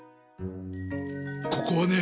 ここはね